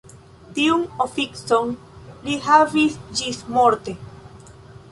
Tiun oficon li havis ĝismorte.